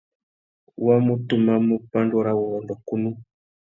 Wa mú tumamú pandúrâwurrôndô kunú.